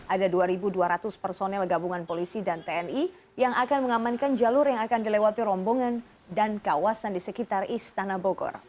ada dua dua ratus personel gabungan polisi dan tni yang akan mengamankan jalur yang akan dilewati rombongan dan kawasan di sekitar istana bogor